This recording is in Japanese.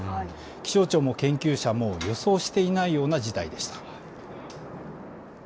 気象庁も研究者も予想していないような事態でした。